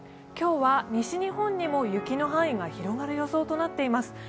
今日は西日本にも雪の範囲が広がる予想となっています。